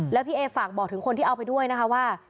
แล้วพี่เอฝากบอกถึงคนที่เอาไปด้วยนะคะว่า